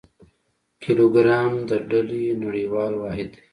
کیلوګرام د ډلي نړیوال واحد دی.